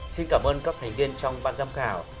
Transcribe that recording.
xin cảm ơn các thành viên trong ban giám khảo